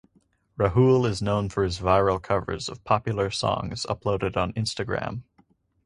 Rahul is known for his viral covers of popular songs uploaded on Instagram.